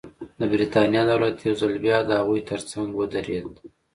د برېټانیا دولت یو ځل بیا د هغوی ترڅنګ ودرېد.